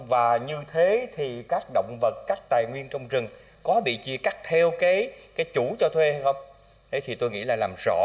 và các động vật các tài nguyên bắt được cắt dự án rừng para